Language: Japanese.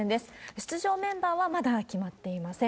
出場メンバーはまだ決まっていません。